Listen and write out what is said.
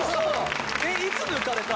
えっいつ抜かれた？